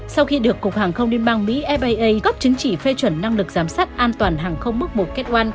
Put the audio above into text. sau khi được cục hàng không liên bang mỹ faa góp chứng chỉ phê chuẩn năng lực giám sát an toàn hàng không mức một ketwan